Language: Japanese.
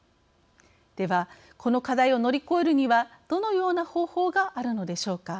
では、この課題を乗り越えるにはどのような方法があるのでしょうか。